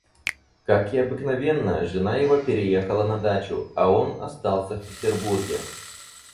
Как и обыкновенно, жена его переехала на дачу, а он остался в Петербурге.